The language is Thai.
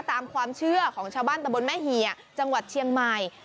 ตามความเชื่อของชาวบ้านตะบนแม่เฮียจังหวัดเชียงใหม่